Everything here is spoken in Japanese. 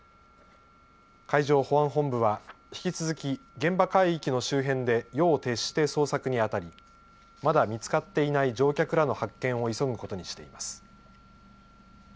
海上保安本部は引き続き、現場海域の周辺で夜を徹して捜索にあたりまだ見つかっていない乗客らの発見を急ぐことにしています。